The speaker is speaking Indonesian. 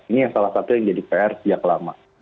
ini yang salah satu yang jadi pr sejak lama